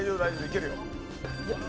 いけるよ。